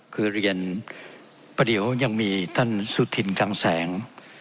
คือเรียนประเดี๋ยวยังมีท่านสุธินคังแสง